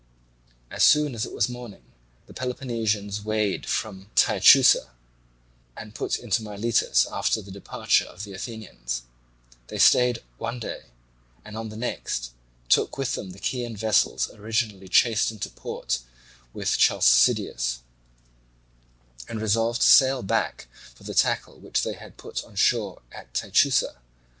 As soon as it was morning the Peloponnesians weighed from Teichiussa and put into Miletus after the departure of the Athenians; they stayed one day, and on the next took with them the Chian vessels originally chased into port with Chalcideus, and resolved to sail back for the tackle which they had put on shore at Teichiussa.